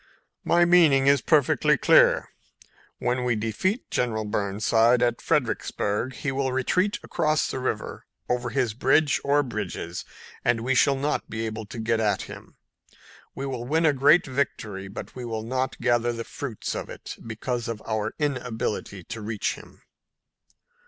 "My meaning is perfectly clear. When we defeat General Burnside at Fredericksburg he will retreat across the river over his bridge or bridges and we shall not be able to get at him. We will win a great victory, but we will not gather the fruits of it, because of our inability to reach him."